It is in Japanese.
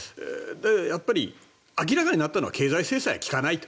やっぱり明らかになったのは経済制裁は効かないと。